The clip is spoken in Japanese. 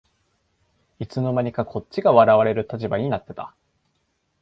いつの間にかこっちが笑われる立場になってた